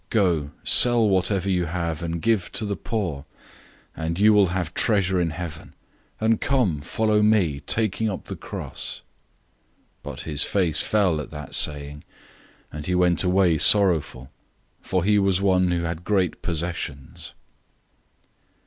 Go, sell whatever you have, and give to the poor, and you will have treasure in heaven; and come, follow me, taking up the cross." 010:022 But his face fell at that saying, and he went away sorrowful, for he was one who had great possessions.